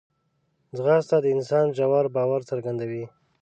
ځغاسته د انسان ژور باور څرګندوي